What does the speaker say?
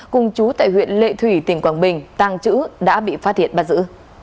cùng chú tại huyện lệ thủy tỉnh quảng bình tàng trữ đã bị phát hiện bắt giữ